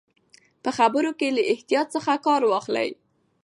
په خبرو کې له احتیاط څخه کار واخلئ.